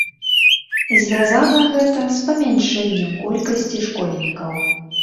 Звязана гэта з памяншэннем колькасці школьнікаў.